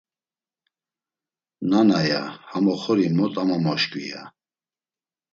“Nana ya ham oxori mot amomoşǩvi ya!”